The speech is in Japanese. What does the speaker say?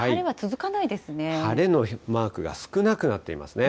晴れのマークが少なくなっていますね。